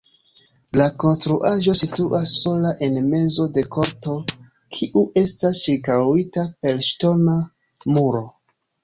La konstruaĵo situas sola en mezo de korto, kiu estas ĉirkaŭita per ŝtona muro.